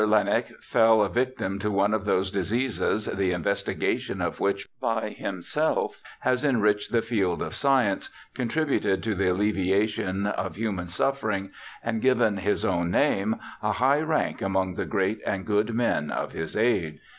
Laennec fell a victim to one of those diseases the investigation of which by himself has enriched the field of science, contributed to the alleviation of human suf fering, and given his own name a high rank among the great and good men of his age.'